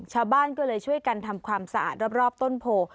ชาวบ้านก็เลยช่วยกันทำความสะอาดรอบต้นโพ